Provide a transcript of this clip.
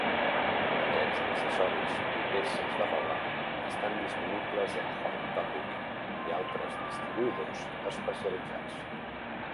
Aquests accessoris i peces de roba estan disponibles a Hot Topic i altres distribuïdors especialitzats.